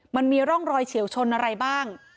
มันมีร่องรอยเฉียวชนอะไรบ้าง